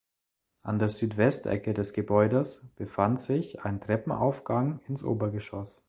An der Südwestecke des Gebäudes befand sich ein Treppenaufgang ins Obergeschoss.